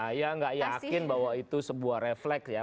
saya nggak yakin bahwa itu sebuah refleks ya